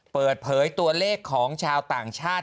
เปิดเผยตัวเลขของชาวต่างชาติ